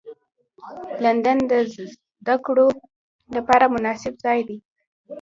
لندن د زدهکړو لپاره مناسب ځای دی